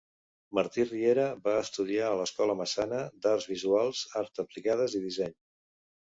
Martí Riera va estudiar a l'Escola Massana d'arts visuals, arts aplicades i disseny.